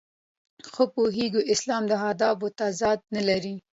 ښه پوهېږو اسلام هدفونو تضاد نه لري.